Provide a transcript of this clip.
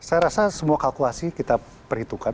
saya rasa semua kalkulasi kita perhitungkan